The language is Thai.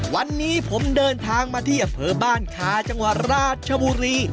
วันนี้ผมเดินทางมาที่อำเภอบ้านคาจังหวัดราชบุรี